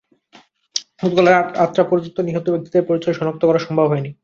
গতকাল রাত আটটা পর্যন্ত নিহত ব্যক্তিদের পরিচয় শনাক্ত করা সম্ভব হয়নি।